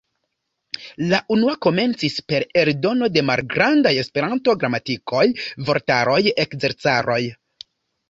La unua komencis per eldono de malgrandaj Esperanto-gramatikoj, vortaroj, ekzercaroj.